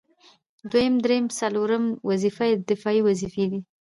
دوهم، دريمه او څلورمه وظيفه يې دفاعي وظيفي دي